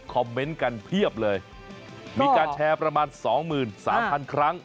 คอมเมนต์กันเพียบเลยมีการแชร์ประมาณสองหมื่นสามพันครั้ง